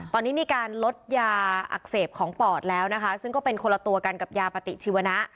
ตอนนี้มีการลดยาอักเสบของปอดแล้วนะคะซึ่งก็เป็นคนละตัวกันกับยาปฏิชีวนะ